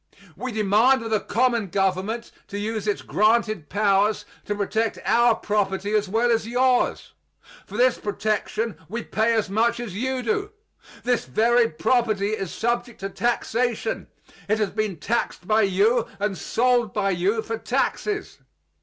We demand of the common government to use its granted powers to protect our property as well as yours. For this protection we pay as much as you do. This very property is subject to taxation. It has been taxed by you and sold by you for taxes.